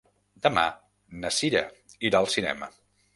Demà na Sira irà al cinema.